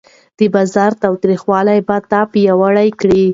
د بازار تریخوالی به تا پیاوړی کړي.